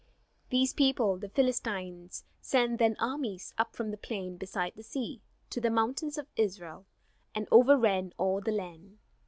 These people, the Philistines, sent their armies up from the plain beside the sea to the mountains of Israel and overran all the land.